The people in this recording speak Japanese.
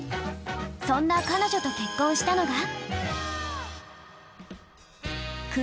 そんな彼女と結婚したのが？